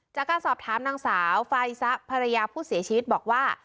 จากการสอบถามนางสาวไฟซะภรรยาผู้เสียชีวิตบอกว่า